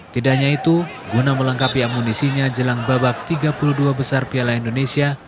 tidak hanya itu guna melengkapi amunisinya jelang babak tiga puluh dua besar piala indonesia